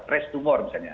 rest tumor misalnya